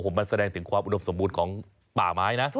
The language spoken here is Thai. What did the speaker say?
มันแสดงถึงความอุดมสมบูรณ์ของป่าไม้นะ